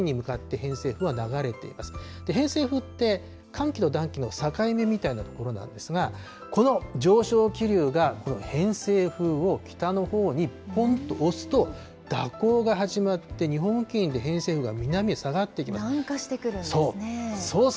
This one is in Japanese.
偏西風って、寒気と暖気の境目みたいな所なんですが、この上昇気流がこの偏西風を北のほうにぽんと押すと、蛇行が始まって日本付近で偏西風が南へ下がってくるんです。